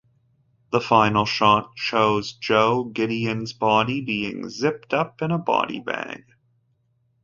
The final shot shows Joe Gideon's body being zipped up in a body bag.